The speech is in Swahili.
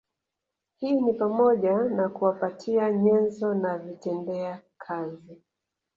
Hii ni pamoja na kuwapatia nyenzo na vitendea kazi